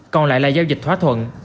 còn lại là giao dịch thóa thuận